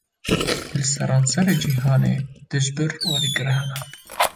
Li seranserê cîhanê, dijber û alîgir hene